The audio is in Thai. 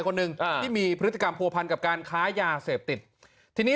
คนหนึ่งอ่าที่มีพฤติกรรมผัวพันกับการค้ายาเสพติดทีนี้